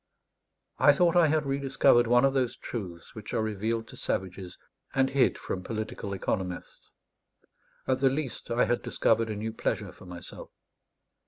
I thought I had rediscovered one of those truths which are revealed to savages and hid from political economists; at the least, I had discovered a new pleasure for myself.